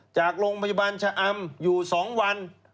จากโรงพยาบาลชะอำอยู่๒วัน